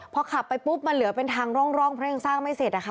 พอขับไปปุ๊บมันเหลือเป็นทางร่องเพราะยังสร้างไม่เสร็จนะคะ